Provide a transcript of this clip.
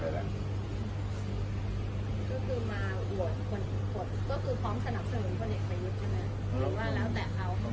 อเจมส์ก็คือมาหวัดควรพร้อมถนับสมุทรคนเอกไปยุทธ์ใช่มั้ย